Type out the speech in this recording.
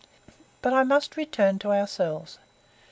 But I must return to ourselves.